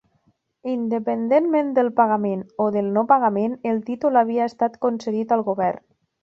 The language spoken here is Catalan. Independentment del pagament o del no pagament, el títol havia estat concedit al govern.